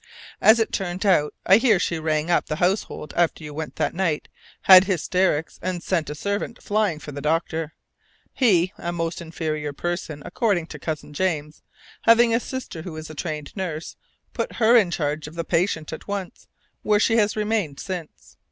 As it turned out, I hear she rang up the household after you went that night, had hysterics, and sent a servant flying for the doctor. He a most inferior person, according to Cousin James having a sister who is a trained nurse, put her in charge of the patient at once, where she has remained since.